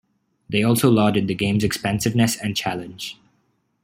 They also lauded the game's expansiveness and challenge.